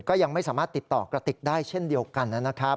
ก็ยังไม่สามารถติดต่อกระติกได้เช่นเดียวกันนะครับ